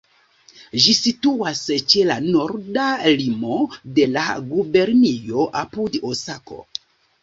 Ĝi situas ĉe la norda limo de la gubernio, apud Osako.